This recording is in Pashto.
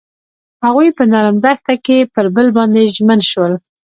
هغوی په نرم دښته کې پر بل باندې ژمن شول.